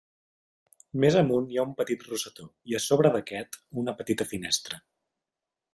Més amunt hi ha un petit rosetó i a sobre d'aquest una petita finestra.